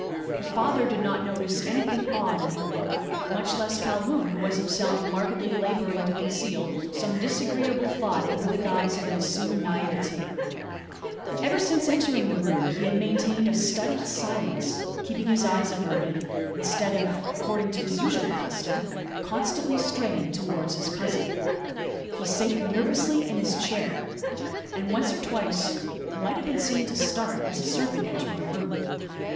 Her father did not notice anything odd in her look. Much less Calhoun, who was himself markedly labouring to conceal some disagreeable thought under the guise of an assumed naivete. Ever since entering the room he had maintained a studied silence; keeping his eyes averted, instead of, according to his usual custom, constantly straying towards his cousin. He sate nervously in his chair; and once or twice might have been seen to start, as a servant entered the room.